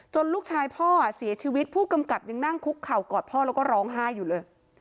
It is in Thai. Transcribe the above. ลูกชายพ่อเสียชีวิตผู้กำกับยังนั่งคุกเข่ากอดพ่อแล้วก็ร้องไห้อยู่เลย